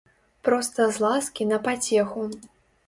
Проста з ласкі на пацеху.